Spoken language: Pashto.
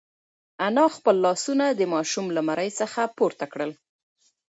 انا خپل لاسونه د ماشوم له مرۍ څخه پورته کړل.